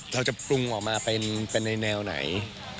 เราจะปรุงออกมาเป็นในแนวไหน